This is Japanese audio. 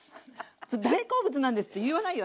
「大好物なんです」って言わないよ